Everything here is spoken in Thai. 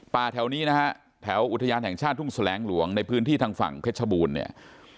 แถวนี้นะฮะแถวอุทยานแห่งชาติทุ่งแสลงหลวงในพื้นที่ทางฝั่งเพชรบูรณ์เนี่ย